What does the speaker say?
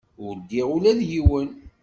Ur ddiɣ ula d yiwen.